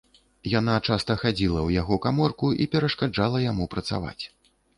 Яна часта хадзіла ў яго каморку і перашкаджала яму працаваць.